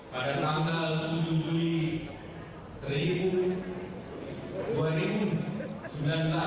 pada tanggal tujuh juli dua ribu sembilan belas